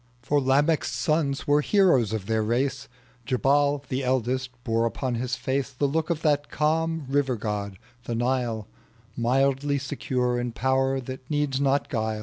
For Lamech's sons were heroes of their race : Jabal, the eldest, bore upon his face The look of that calm river god, the Nile, Mildly secure in power that needs not guile.